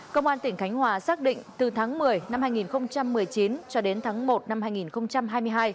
công an tỉnh khánh hòa xác định từ tháng một mươi năm hai nghìn một mươi chín cho đến tháng một năm hai nghìn hai mươi hai